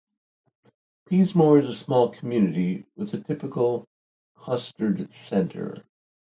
Peasemore is a small community with a typical clustered centre.